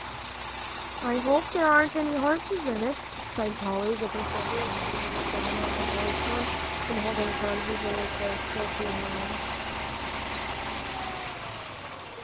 "I hope there aren't any horses in it," sighed Polly, with a shiver, sitting down on the doorstone, and holding Phronsie very closely in her arms.